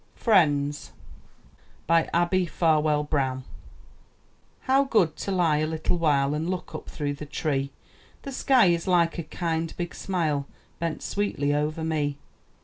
FRIENDS* Abbie Farwell Brown How good to lie a little while And look up through the tree! The Sky is like a kind big smile Bent sweetly over me.